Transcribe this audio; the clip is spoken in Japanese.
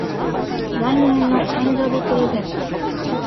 来年の誕生日プレゼント